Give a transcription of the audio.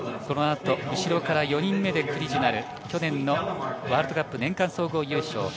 このあと後ろから４人目でクリジュナル、去年のワールドカップ年間総合優勝。